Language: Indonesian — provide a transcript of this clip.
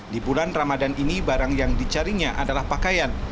di bulan ramadan ini barang yang dicarinya adalah pakaian